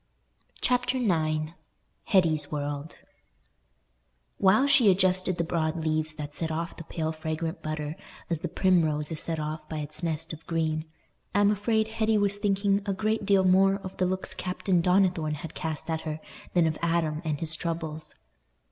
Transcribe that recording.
Chapter IX Hetty's World While she adjusted the broad leaves that set off the pale fragrant butter as the primrose is set off by its nest of green I am afraid Hetty was thinking a great deal more of the looks Captain Donnithorne had cast at her than of Adam and his troubles.